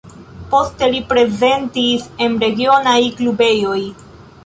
Poste li prezentis en regionaj klubejoj.